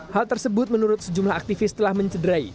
hal tersebut menurut sejumlah aktivis telah mencederai